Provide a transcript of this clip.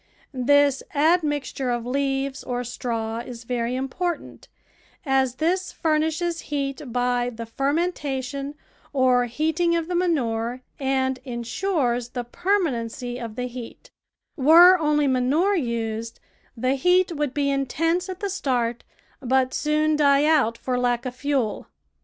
This admixture of leaves or straw is very imj)ortant, as this furnishes heat by the fermentation or heating of the manure and in sures the permanency of the heat; were only manure used, the heat would be intense at the start, but soon die out for lack of fuel.